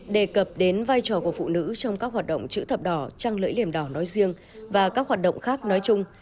đề cập đến vai trò của phụ nữ trong các hoạt động chữ thập đỏ trăng lưỡi liềm đỏ nói riêng và các hoạt động khác nói chung